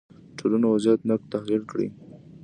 ټولنو وضعیت نقد تحلیل کړي